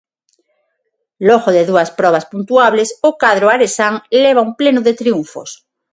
Logo de dúas probas puntuables o cadro aresán leva un pleno de triunfos.